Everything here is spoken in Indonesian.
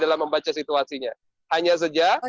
dalam membaca situasinya hanya saja